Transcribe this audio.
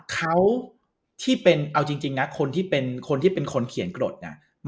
เขาที่เป็นเอาจริงนะคนที่เป็นคนที่เป็นคนเขียนกรดน่ะ